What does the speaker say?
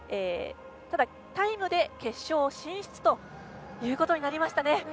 ただ、タイムで決勝進出となりましたね。